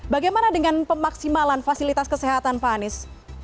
bagaimana dengan pemaksimalan fasilitas kesehatan pak anies